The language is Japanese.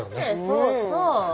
そうそう。